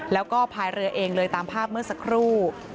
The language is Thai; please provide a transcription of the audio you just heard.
แล้วก็พายเรือเองเลยตามภาพเมื่อสักครู่